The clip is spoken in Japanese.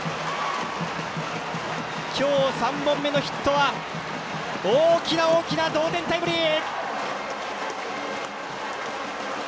今日、３本目のヒットは大きな大きな同点タイムリー！